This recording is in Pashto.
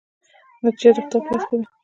نتیجه د خدای په لاس کې ده؟